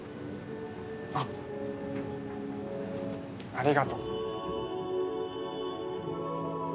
あっありがとう。